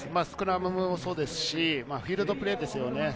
スクラムもそうですし、フィールドプレーですよね。